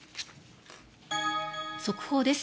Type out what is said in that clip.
速報です。